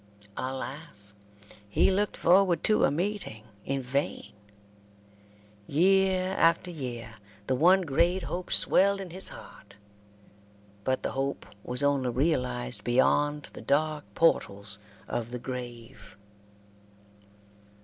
Alas! he looked forward to a meeting in vain. Year after year the one great hope swelled in his heart, but the hope was only realized beyond the dark portals of the grave.